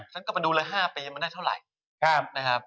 ฉันก็ไปดูเลย๕ปีมันได้เท่าไหร่